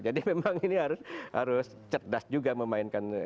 memang ini harus cerdas juga memainkan